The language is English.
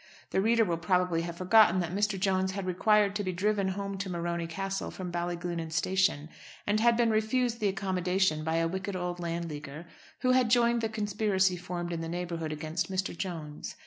The reader will probably have forgotten that Mr. Jones had required to be driven home to Morony Castle from Ballyglunin station, and had been refused the accommodation by a wicked old Landleaguer, who had joined the conspiracy formed in the neighbourhood against Mr. Jones.